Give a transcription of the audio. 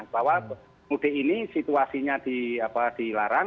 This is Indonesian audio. bahwa mudik ini situasinya dilarang